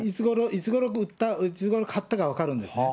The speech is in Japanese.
いつごろ売った、いつごろ買ったか分かるんですね。